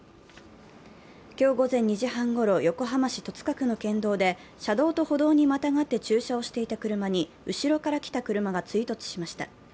今日午前２時半ごろ、横浜市戸塚区の県道で車道と歩道にまたがって駐車をしていた車に後ろから来た車が追突しました。